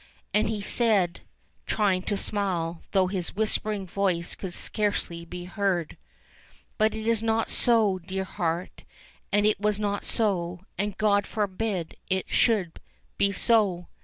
And he said, trying to smile, though his whispering voice could scarcely be heard : "But it is not so, dear heart, and it was not so, and God forbid it should be so